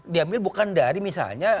diambil bukan dari misalnya